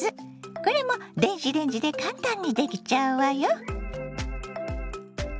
これも電子レンジで簡単にできちゃうわよ。